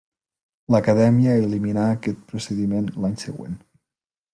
L'Acadèmia eliminà aquest procediment l'any següent.